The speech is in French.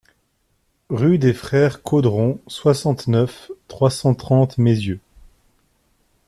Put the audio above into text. Rue des Frères Caudron, soixante-neuf, trois cent trente Meyzieu